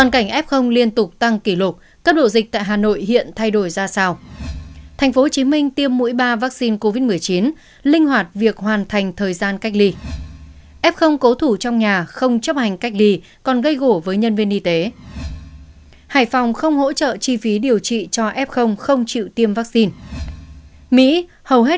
các bạn hãy đăng ký kênh để ủng hộ kênh của chúng mình nhé